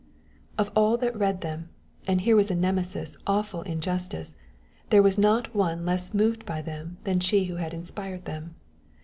Of all that read them, and here was a Nemesis awful in justice, there was not one less moved by them than she who had inspired them.